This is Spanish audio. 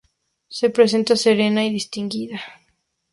Se presenta serena y distinguida.